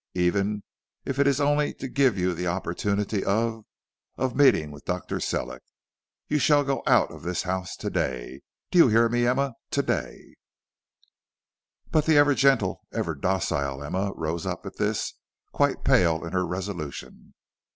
Even if it is only to give you the opportunity of of meeting with Dr. Sellick, you shall go out of this house to day. Do you hear me, Emma, to day?" But the ever gentle, ever docile Emma rose up at this, quite pale in her resolution.